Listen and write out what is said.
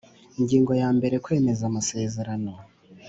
Ingingo ya mbere Kwemeza amazerano